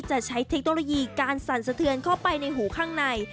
ใช้เทคโนโลยีการสั่นสะเทือนเข้าไปในหูข้างใน